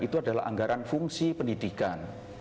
itu adalah anggaran fungsi pendidikan